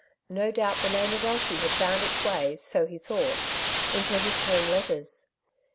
No doubt the name of Elsie had found its way, so he thought, into his home letters.